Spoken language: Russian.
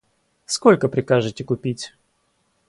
Сколько прикажете купить?